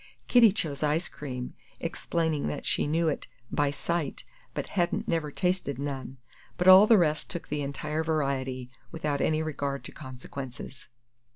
Kitty chose ice cream, explaining that she knew it "by sight," but hadn't never tasted none; but all the rest took the entire variety, without any regard to consequences.